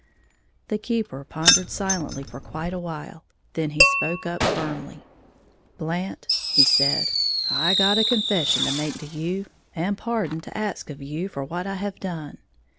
The keeper pondered silently for quite a while; then he spoke up, firmly. "Blant," he said, "I got a confession to make to you, and pardon to ax of you, for what I have done.